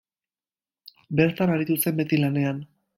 Bertan aritu zen beti lanean.